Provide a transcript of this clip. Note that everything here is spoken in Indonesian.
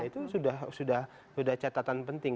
itu sudah catatan penting